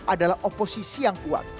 adalah oposisi yang kuat